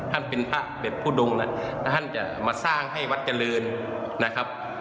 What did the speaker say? ท่านเป็นพระเด็ดผู้ดงแล้วท่านจะมาสร้างให้วัดเจริญนะครับ